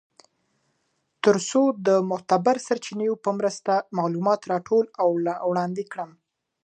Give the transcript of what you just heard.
تر څو د معتبرو سرچینو په مرسته کره معلومات راټول او وړاندی کړم .